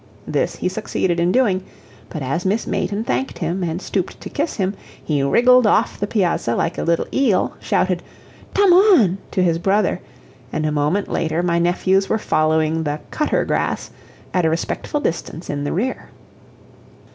This he succeeded in doing, but as Miss Mayton thanked him and stooped to kiss him he wriggled off the piazza like a little eel, shouted, "Tum on!" to his brother, and a moment later my nephews were following the "cutter grass" at a respectful distance in the rear.